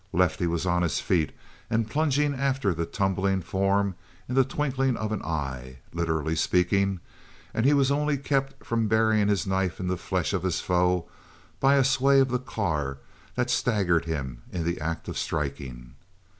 Lefty was on his feet and plunging after the tumbling form in the twinkling of an eye, literally speaking, and he was only kept from burying his knife in the flesh of his foe by a sway of the car that staggered him in the act of striking.